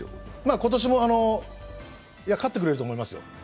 今年も勝ってくれると思いますよ。